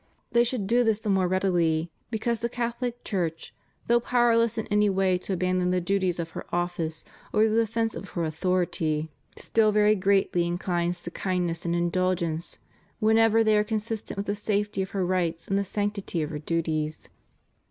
They should do this the more readily because the Catholic Church, though powerless in any way to abandon the duties of her ofhce or the defence of her authority. 78 CHRISTIAN MARRIAGE. still very greatly inclines to kindness and indulgence whenever they are consistent with the safety of her rights and the sanctity of her duties.